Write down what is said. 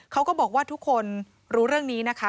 เขาก็บอกว่าทุกคนรู้เรื่องนี้นะคะ